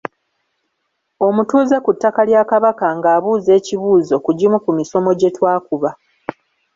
Omutuuze ku ttaka lya Kabaka ng’abuuza ekibuuzo ku gumu ku misomo gye twakuba.